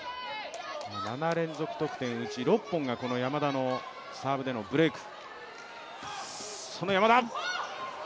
７連続得点のうち６本がこの山田のサーブでのブレイク。